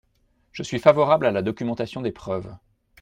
Je suis favorable à la documentation des preuves.